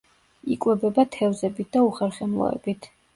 იკვებება თევზებით და უხერხემლოებით.